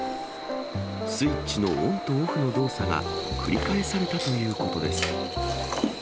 スイッチのオンとオフの動作が繰り返されたということです。